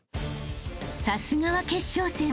［さすがは決勝戦］